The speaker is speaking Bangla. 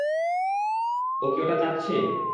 ও কি ওটা চাটছে?